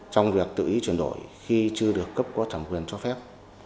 trong việc tự ý chuyển đổi khi chưa được cấp có thẩm quyền cho phép